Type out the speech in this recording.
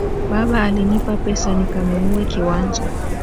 Baba alinipa pesa nikanunue kiwanja.